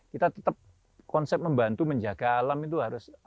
kita tetap konsep membantu menjaga alam itu harus